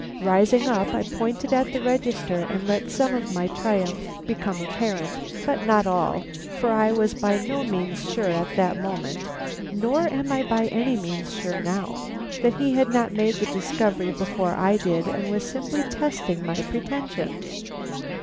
Rising up, I pointed at the register and let some of my triumph become apparent; but not all, for I was by no means sure at that moment, nor am I by any means sure now, that he had not made the discovery before I did and was simply testing my pretensions.